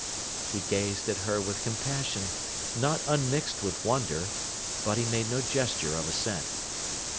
He gazed at her with compassion, not unmixed with wonder: but, he made no gesture of assent.